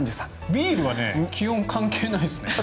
ビールは気温関係ないですね。